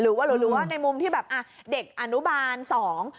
หรือว่าในมุมที่แบบเด็กอนุบาลสอง